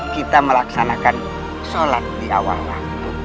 kita melaksanakan sholat di awal waktu